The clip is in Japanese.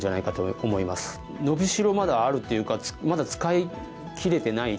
伸び代はまだあるっていうかまだ使いきれてない。